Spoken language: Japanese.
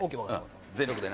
全力でね。